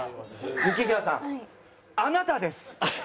雪平さんあなたです！